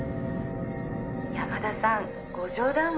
「山田さんご冗談は」